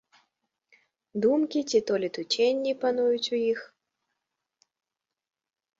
Думкі ці то летуценні пануюць у іх.